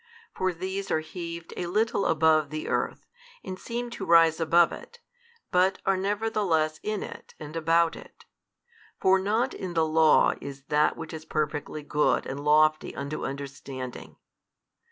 For these are heaved a little above the earth, and seem to rise above it, but are nevertheless in it and about it: for not in the Law is that which is perfectly good and lofty unto understanding.